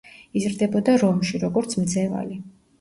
იზრდებოდა რომში, როგორც მძევალი.